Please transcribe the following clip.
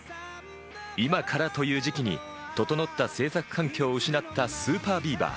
今からという時期に整った制作環境を失ったＳＵＰＥＲＢＥＡＶＥＲ。